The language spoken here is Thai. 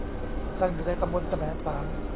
ตั้งอยู่ในตำบลแสมสาร